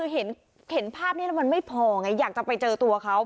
เห็นภาพนี้แล้วมันไม่พอไงอยากจะไปเจอตัวเขา